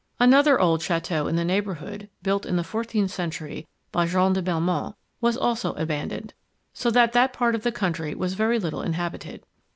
Another old chateau in the neighbourhood, built in the fourteenth century by Jean de Belmont, was also abandoned, so that that part of the country was very little inhabited.